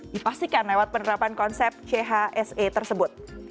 dipastikan lewat penerapan konsep chse tersebut